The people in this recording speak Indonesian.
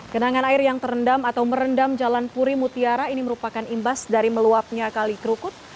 kenangan air yang terendam atau merendam jalan puri mutiara ini merupakan imbas dari meluapnya kali kerukut